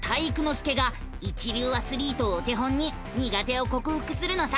介が一流アスリートをお手本に苦手をこくふくするのさ！